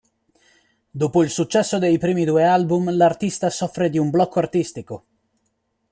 Dopo il successo dei primi due album, l'artista soffre di un blocco artistico.